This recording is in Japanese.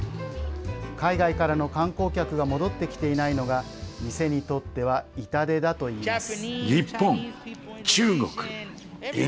海外からの観光客が戻ってきていないのが店にとっては痛手だといいます。